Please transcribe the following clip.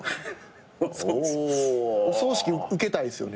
お葬式ウケたいっすよね